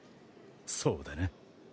そうだな。